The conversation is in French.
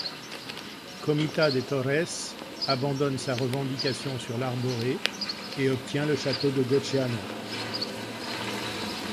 Comita de Torres abandonne sa revendication sur l'Arborée et obtient le château de Goceano.